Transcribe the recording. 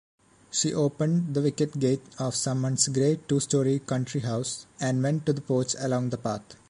She opened the wicket gate of someone’s grey two-story country house and went to the porch along the path.